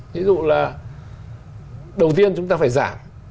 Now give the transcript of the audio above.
ví dụ là đầu tiên chúng ta phải giảm